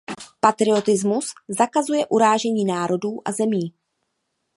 Patriotismus zakazuje urážení národů a zemí.